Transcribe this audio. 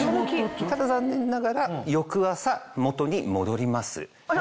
ただ残念ながら翌朝元に戻ります。